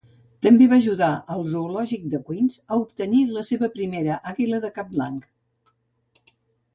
També va ajudar al zoològic de Queens a obtenir la seva primera àguila de cap blanc.